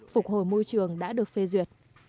phục hồi môi trường đã được phê duyệt